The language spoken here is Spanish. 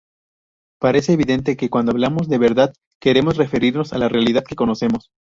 Parece evidente que cuando hablamos de verdad queremos referirnos a la realidad que conocemos.